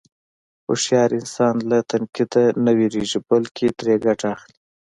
هوښیار انسان له تنقیده نه وېرېږي، بلکې ترې ګټه اخلي.